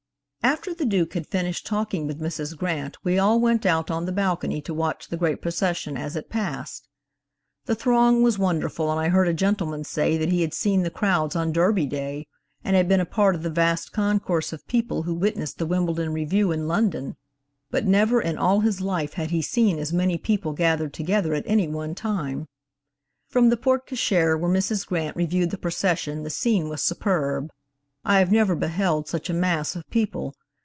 '" After the Duke had finished talking with Mrs. Grant we all went out on the balcony to watch the great procession as it passed. The throng was wonderful and I heard a gentleman say that he had seen the crowds on Derby Day, and had been a part of the vast concourse of people who witnessed the Wimbledon Review in London, but never in all his life had he seen as many people gathered together at any one time. From the porte cochère where Mrs. Grant reviewed the procession, the scene was superb. I have never beheld such a mass of people.